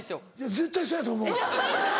絶対そうやと思う。